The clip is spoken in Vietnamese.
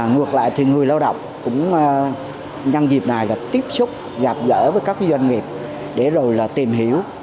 ngược lại thì người lao động cũng nhân dịp này là tiếp xúc gặp gỡ với các doanh nghiệp để rồi tìm hiểu